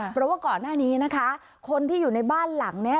เพราะว่าก่อนหน้านี้นะคะคนที่อยู่ในบ้านหลังนี้